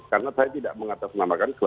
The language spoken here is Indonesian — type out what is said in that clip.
karena saya tidak mengatasnamakan klub